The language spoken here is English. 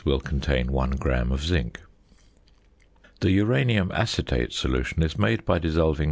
will contain 1 gram of zinc. The uranium acetate solution is made by dissolving 0.